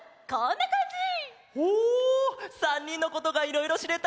おお３にんのことがいろいろしれた！